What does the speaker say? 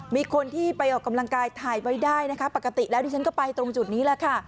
มีคนที่ไปออกกำลังกายถ่ายไว้ได้นะคะปกติแล้วดิฉันก็ไปตรงจุดนี้แหละค่ะ